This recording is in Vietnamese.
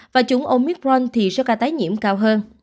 và chủng omicron thì số ca tái nhiễm cao hơn